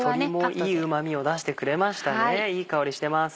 いい香りしてます。